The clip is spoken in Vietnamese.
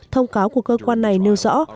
thông cáo của cơ quan này nêu rõ